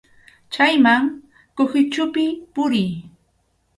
Chayman kuhichupi puriy.